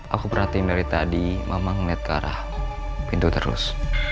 aku perhatiin dari tadi mama ngeliat ke arah pintu terus